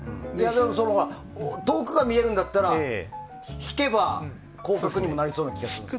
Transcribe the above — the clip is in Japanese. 遠くから見るんだったら引けば広角にもなりそうな気がするんですけど。